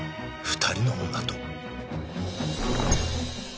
２人の女と？